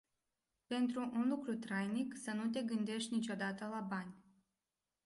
Pentru un lucru trainic să nu te gândești niciodată la bani.